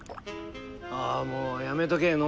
ああもうやめとけ。